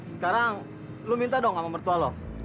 sekarang lu minta dong sama mertua lo